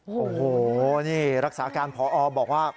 โอ้โหนี่รักษาการพอบอกว่า